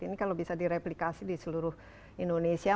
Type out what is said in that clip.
ini kalau bisa direplikasi di seluruh indonesia